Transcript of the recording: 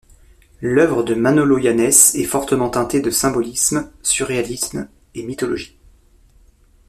L'œuvre de Manolo Yanes est fortement teinté de symbolisme, surréalisme et mythologie.